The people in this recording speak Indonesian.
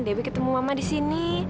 dewi ketemu mama disini